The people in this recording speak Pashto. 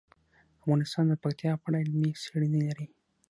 افغانستان د پکتیا په اړه علمي څېړنې لري.